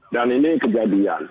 dan ini kejadian